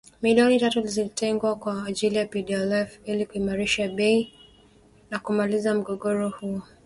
milioni tatu zilizotengwa kwa ajili ya PDLF ili kuimarisha bei na kumaliza mgogoro huo